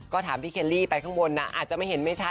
ก็ถามพี่เคลลี่ไปข้างบนนะอาจจะไม่เห็นไม่ชัด